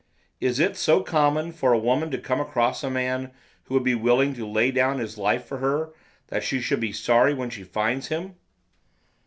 Is it so common for a woman to come across a man who would be willing to lay down his life for her that she should be sorry when she finds him?